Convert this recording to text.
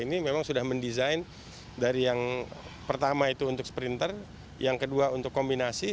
ini memang sudah mendesain dari yang pertama itu untuk sprinter yang kedua untuk kombinasi